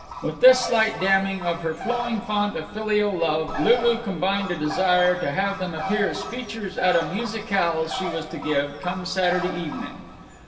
With this slight damming of her flowing fount of filial love, Lulu combined a desire to have them appear as features at a musicale she was to give, come Saturday evening.